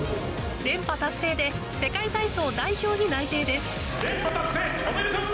連覇達成で世界体操代表に内定です。